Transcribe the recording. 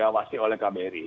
iwawasi oleh kbri